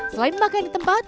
selain makan di tempat